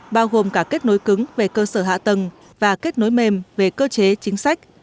bao gồm cả kết nối cứng về cơ sở hạ tầng và kết nối mềm về cơ chế chính sách